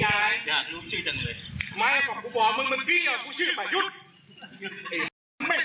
ไม่ความกูบอกมึงมันบี้หรอกกูชื่อเปล่ายุทธ์